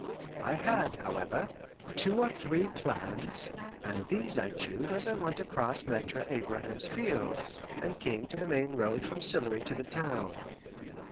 I had, however, two or three plans, and these I chewed as I went across Maitre Abraham's fields, and came to the main road from Sillery to the town.